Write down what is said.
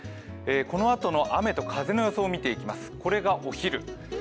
このあとの雨と風の予想を見ていきます。